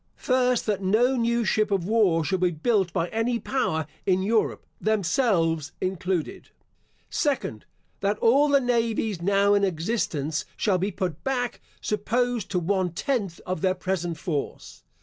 First, That no new ship of war shall be built by any power in Europe, themselves included. Second, That all the navies now in existence shall be put back, suppose to one tenth of their present force.